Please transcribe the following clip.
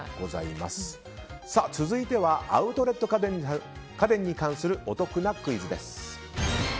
続いてはアウトレット家電に関するお得なクイズです。